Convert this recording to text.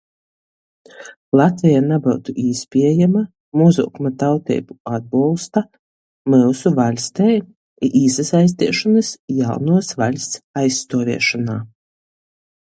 Latveja nabyutu īspiejama mozuokuma tauteibu atbolsta myusu vaļstei i īsasaisteišonys jaunuos vaļsts aizstuoviešonā.